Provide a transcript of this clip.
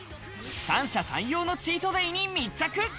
三者三様のチートデイに密着。